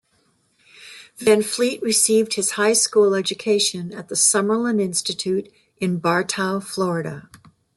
Van Fleet received his high school education at the Summerlin Institute in Bartow, Florida.